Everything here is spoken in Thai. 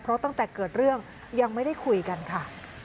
เพราะตั้งแต่เกิดเรื่องยังไม่ได้คุยกันค่ะ